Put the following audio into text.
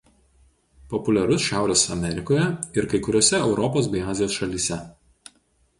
Populiarus Šiaurės Amerikoje ir kai kuriose Europos bei Azijos šalyse.